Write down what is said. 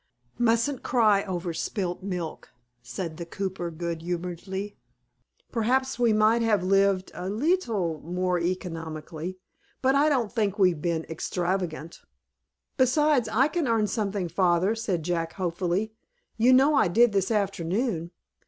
"Mustn't cry over spilt milk," said the cooper, good humoredly. "Perhaps we might have lived a leetle more economically, but I don't think we've been extravagant." "Besides, I can earn something, father," said Jack, hopefully. "You know I did this afternoon."